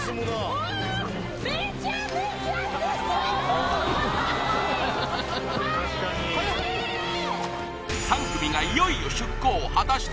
おお３組がいよいよ出航果たして